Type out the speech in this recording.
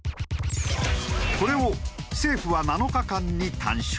これを政府は７日間に短縮。